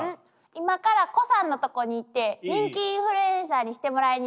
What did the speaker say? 今から胡さんのとこに行って人気インフルエンサーにしてもらいに行く。